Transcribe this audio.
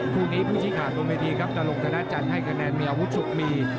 คู่นี้ผู้ชิงหาตัวไม่ดีครับจะลงทางหน้าจันทร์ให้คะแนนเมียวุฒุกมี